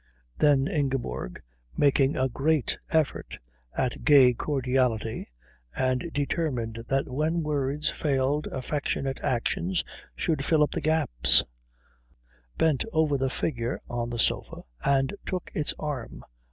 Then Ingeborg, making a great effort at gay cordiality and determined that when words failed affectionate actions should fill up the gaps, bent over the figure on the sofa and took its arm.